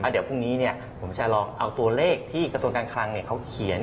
เดี๋ยวพรุ่งนี้ผมจะลองเอาตัวเลขที่กระทรวงการคลังเขาเขียน